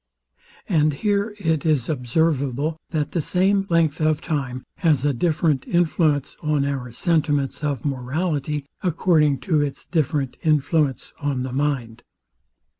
And here it is observable, that the same length of time has a different influence on our sentiments of morality, according to its different influence on the mind.